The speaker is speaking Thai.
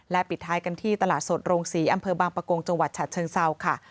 ปิดท้ายกันที่ตลาดสดโรงศรีอำเภอบางประกงจังหวัดฉะเชิงเซาค่ะ